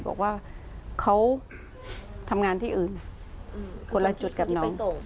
บอกว่าเขาทำงานที่อื่นคนละจุดกับน้องโต